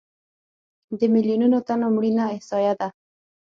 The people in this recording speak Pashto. د میلیونونو تنو مړینه احصایه ده.